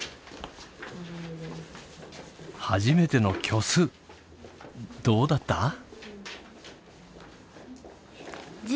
初めての虚数どうだった？